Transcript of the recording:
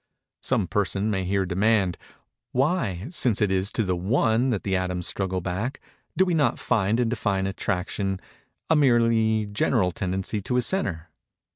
Some person may here demand:—"Why—since it is to the One that the atoms struggle back—do we not find and define Attraction 'a merely general tendency to a centre?